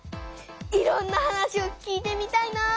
いろんな話を聞いてみたいなぁ。